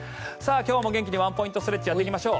今日も元気にワンポイントストレッチをやっていきましょう。